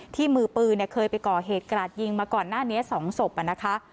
ที่มือปืนเนี้ยเคยไปก่อเหตุกระหดยิงมาก่อนหน้านี้สองศพอ่ะนะคะ